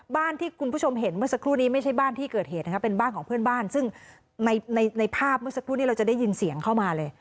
บ้านที่คุณผู้ชมเห็นเมื่อสักครู่นี้ไม่ใช่บ้านที่เกิดเหตุนะครับเป็นบ้านของเพื่อนบ้านซึ่งในในภาพเมื่อสักครู่นี้เราจะได้ยินเสียงเข้ามาเลย